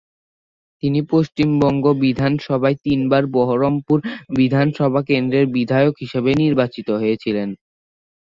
তিনি পশ্চিমবঙ্গ বিধানসভায় তিনবার বহরমপুর বিধানসভা কেন্দ্রের বিধায়ক হিসেবে নির্বাচিত হয়েছিলেন।